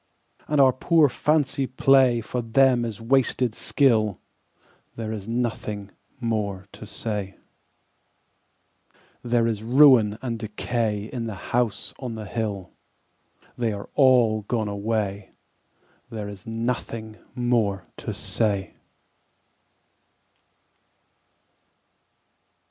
And our poor fancy play For them is wasted skill: There is nothing more to say. There is ruin and decay In the House on the Hill They are all gone away, There is nothing more to say.